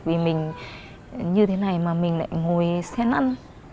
vì mình như thế này mà mình lại ngồi xe ăn